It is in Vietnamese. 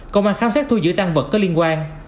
công an khám xét thu giữ tăng vật có liên quan